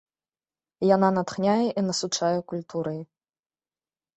Яна натхняе і насычае культурай.